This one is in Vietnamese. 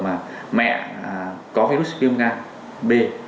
mà mẹ có virus viêm gan b